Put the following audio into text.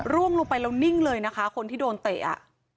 ร่วงลงไปแล้วนิ่งเลยนะคะคนที่โดนเตะอ่ะ